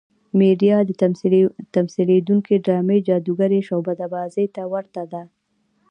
میډیا د تمثیلېدونکې ډرامې جادوګرې شعبده بازۍ ته ورته ده.